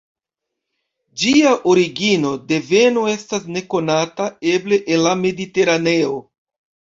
Ĝia origino, deveno estas nekonata, eble el la Mediteraneo.